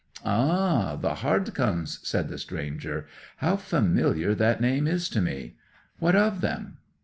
'Ah! the Hardcomes,' said the stranger. 'How familiar that name is to me! What of them?